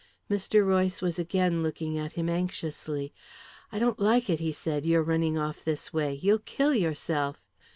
Mr. Royce was again looking at him anxiously. "I don't like it," he said, "your running off this way. You'll kill yourself."